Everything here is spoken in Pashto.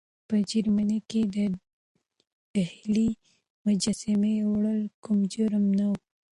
په جرمني کې د هېټلر د مجسمې وړل کوم جرم نه و.